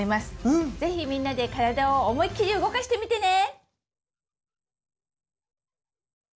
是非みんなで体を思いっきり動かしてみてね！